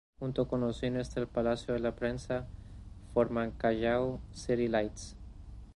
Junto con los cines del Palacio de la Prensa forman Callao City Lights.